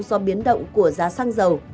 do biến động của giá xăng dầu